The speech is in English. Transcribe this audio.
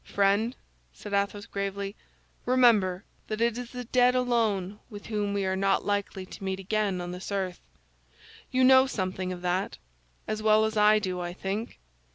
"Friend," said Athos, gravely, "remember that it is the dead alone with whom we are not likely to meet again on this earth. You know something of that, as well as I do, I think.